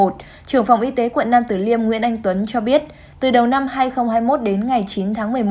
trưởng phòng y tế quận nam tử liêm nguyễn anh tuấn cho biết từ đầu năm hai nghìn hai mươi một đến ngày chín tháng một mươi một